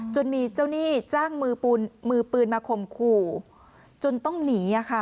จนมีเจ้าหนี้จ้างมือปืนมาข่มขู่จนต้องหนี